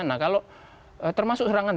nah kalau termasuk serangan